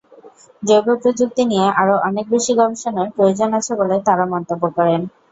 জৈবপ্রযুক্তি নিয়ে আরও অনেক বেশি গবেষণার প্রয়োজন আছে বলে তাঁরা মন্তব্য করেন।